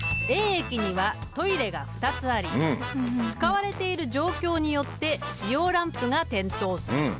駅にはトイレが２つあり使われている状況によって使用ランプが点灯する。